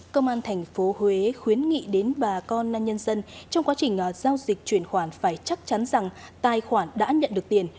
cơ quan tp huế khuyến nghị đến bà con nạn nhân dân trong quá trình giao dịch chuyển khoản phải chắc chắn rằng tài khoản đã nhận được tiền